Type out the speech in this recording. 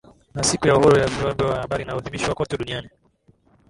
ni siku ya uhuru wa vyombo vya habari inayoadhimishwa kote duniani